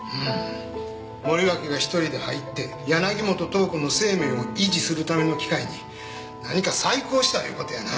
森脇が１人で入って柳本塔子の生命を維持するための機械に何か細工をしたいう事やな。